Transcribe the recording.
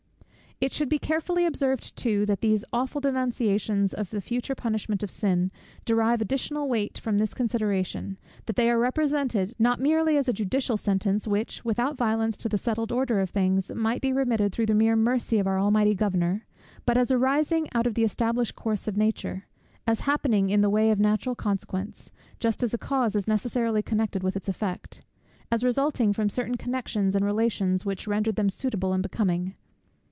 It should be carefully observed too, that these awful denunciations of the future punishment of sin derive additional weight from this consideration, that they are represented, not merely as a judicial sentence which, without violence to the settled order of things, might be remitted through the mere mercy of our Almighty Governor, but as arising out of the established course of nature; as happening in the way of natural consequence, just as a cause is necessarily connected with its effect; as resulting from certain connections and relations which rendered them suitable and becoming.